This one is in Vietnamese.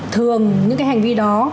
thường những cái hành vi đó